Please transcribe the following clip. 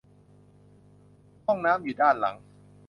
ห้องน้ำอยู่ด้านหลัง